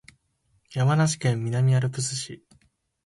山梨県南アルプス市